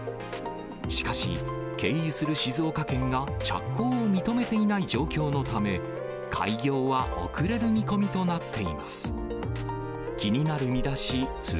しかし、経由する静岡県が着工を認めていない状況のため、開業は遅れる見込みとなっています。